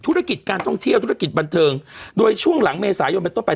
ธุรกิจการท่องเที่ยวธุรกิจบันเทิงโดยช่วงหลังเมษายนเป็นต้นไป